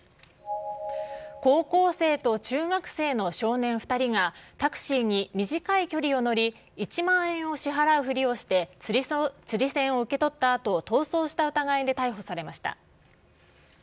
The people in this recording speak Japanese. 高校生と中学生の少年２人が、タクシーに短い距離を乗り、１万円を支払うふりをして、釣銭を受け取ったあと逃走した疑いで逮捕されました。